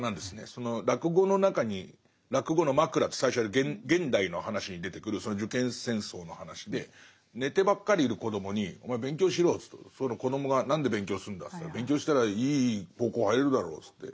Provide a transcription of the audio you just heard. その落語の中に落語のマクラって最初現代の話に出てくる受験戦争の話で寝てばっかりいる子供に「お前勉強しろよ」と言うとその子供が「何で勉強するんだ」と言ったら「勉強したらいい高校入れるだろ」って。